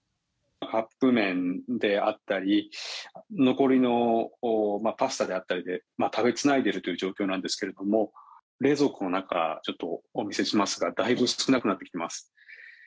カップ麺であったり残りのパスタであったりで食べつないでいるという状況なんですが冷蔵庫の中をちょっとお見せしますがだいぶ少なくなってきています。